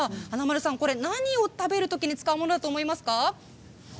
華丸さん、何を食べるときに使うものだと思いますか？